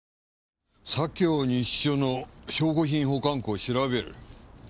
左京西署の証拠品保管庫を調べる？